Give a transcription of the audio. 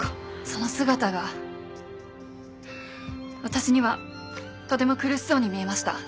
その姿が私にはとても苦しそうに見えました。